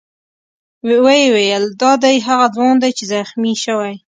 ویې ویل: دا دی هغه ځوان دی چې زخمي شوی.